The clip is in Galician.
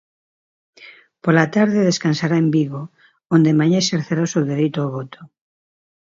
Pola tarde descansará en Vigo, onde mañá exercerá o seu dereito ao voto.